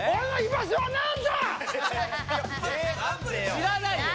知らないよ。